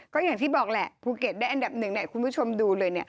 ก็อย่างที่บอกแหละภูเก็ตได้อันดับหนึ่งคุณผู้ชมดูเลย